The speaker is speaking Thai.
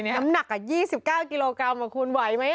น้ำหนัก๒๙กิโลกรัมคุณไหวไหม